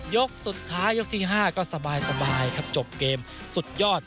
ยกสุดท้ายยกที่๕ก็สบายครับจบเกมสุดยอด